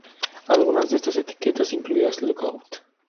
Algunas de estas etiquetas incluidas Lookout!